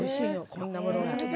こんなものが。